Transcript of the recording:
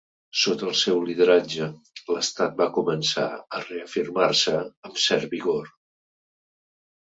Sota el seu lideratge, l'estat va començar a reafirmar-se amb cert vigor.